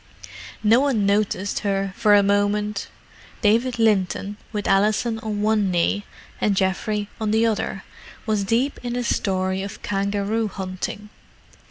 No one noticed her for a moment, David Linton, with Alison on one knee and Geoffrey on the other, was deep in a story of kangaroo hunting.